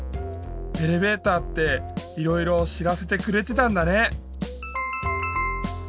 エレベーターっていろいろ知らせてくれてたんだね！